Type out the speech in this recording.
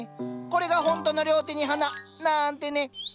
これがほんとの「両手に花」なんてね。